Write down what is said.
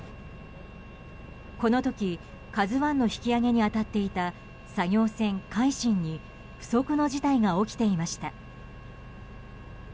この時、「ＫＡＺＵ１」の引き揚げに当たっていた作業船「海進」に不測の事態が起きていました。